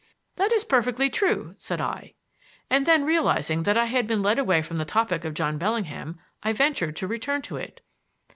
"That is perfectly true," said I. And then realizing that I had been led away from the topic of John Bellingham, I ventured to return to it.